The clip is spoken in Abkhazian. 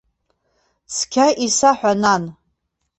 Цқьа исаҳәа, нан.